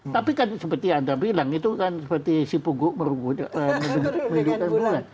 tapi kan seperti anda bilang itu kan seperti si punggung merungutkan bulan